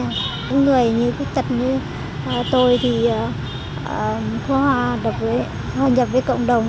những người với tật như tôi thì khó hòa gặp với cộng đồng